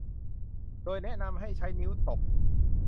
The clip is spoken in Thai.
โดยแนะนำให้ให้นิ้วตบ